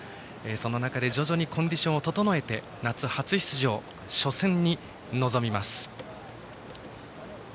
その中で徐々にコンディションを整えて夏初出場、初戦に臨みます。